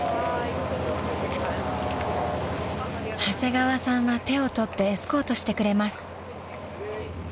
［長谷川さんは手を取ってエスコートしてくれます］